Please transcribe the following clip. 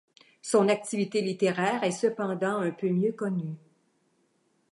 Son activité littéraire est cependant un peu mieux connue.